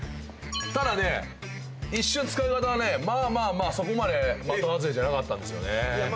ただね一瞬使い方はねまあまあそこまで的外れじゃなかったんです。